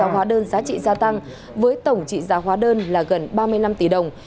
ba tám trăm năm mươi sáu hóa đơn giá trị gia tăng với tổng trị giá hóa đơn là gần ba mươi năm tỷ đồng